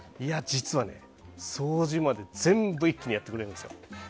実は掃除まで全部一気にやってくれるんですよ。